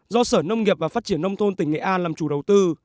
do sở nông nghiệp và phát triển nông thôn tỉnh nghệ an làm chủ đầu tư